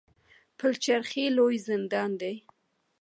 پل چرخي لوی زندان دی